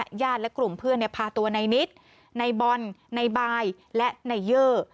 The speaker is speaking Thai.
ย่านและกลุ่มเพื่อนพาตัวในนิตนายบอลนายบายและนายเยอร์